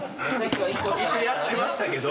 一緒にやってましたけど。